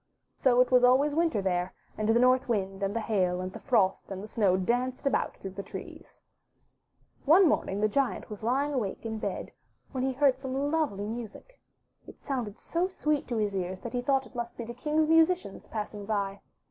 So it was always Winter there, and the North Wind, and the Hail, and the Frost, and the Snow danced about through the trees. One morning the Giant was lying awake in bed when he heard some lovely music. It sounded so sweet to his ears that he thought it must be the King's 248 UP ONE PAIR OF STAIRS musicians passing by.